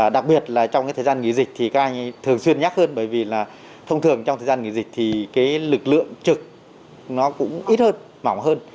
đặc biệt là trong thời gian nghỉ dịch các anh thường xuyên nhắc hơn bởi vì thông thường trong thời gian nghỉ dịch lực lượng trực cũng ít hơn mỏng hơn